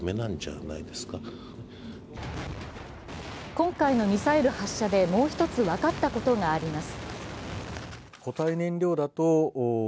今回のミサイル発射でもう一つ分かったことがあります。